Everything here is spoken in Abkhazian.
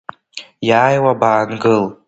Иааиуа баангыл!